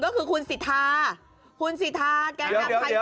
ก็คือคุณสิทาจะผลในวันไหนยังไงวันตอนไหนอ่าอ่ะก็